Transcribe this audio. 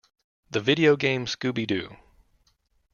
The video game Scooby-Doo!